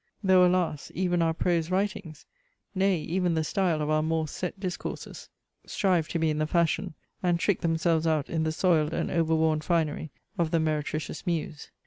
Though alas! even our prose writings, nay even the style of our more set discourses, strive to be in the fashion, and trick themselves out in the soiled and over worn finery of the meretricious muse.